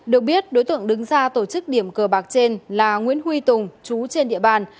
được biết đối tượng đứng ra tổ chức điểm cờ bạc trên là nguyễn huy tùng chú trên địa bàn